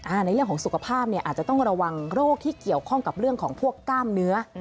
ในเรื่องของสุขภาพเนี่ยอาจจะต้องระวังโรคที่เกี่ยวข้องกับเรื่องของพวกกล้ามเนื้อ